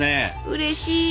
うれしい。